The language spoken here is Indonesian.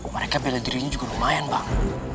mereka bela dirinya juga lumayan bang